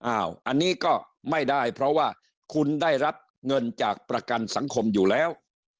อันนี้ก็ไม่ได้เพราะว่าคุณได้รับเงินจากประกันสังคมอยู่แล้ว